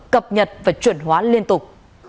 cập nhật và chuyển hóa liên tục